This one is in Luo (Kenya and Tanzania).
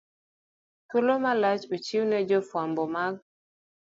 Thuolo malach ochiw ne jofwambo mag